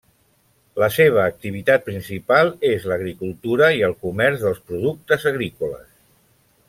La seva activitat principal és l'agricultura i el comerç dels productes agrícoles.